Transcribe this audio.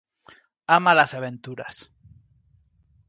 Ama las aventuras.